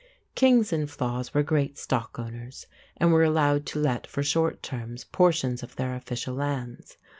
Kings and flaiths were great stock owners, and were allowed to let for short terms portions of their official lands.